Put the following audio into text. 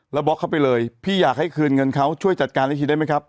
แล้วบล็อกเข้าไปเลยพี่อยากให้คืนเงินเขาช่วยจัดการให้ทีได้ไหมครับ